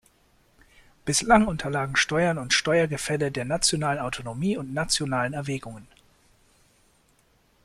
Bislang unterlagen Steuern und Steuergefälle der nationalen Autonomie und nationalen Erwägungen.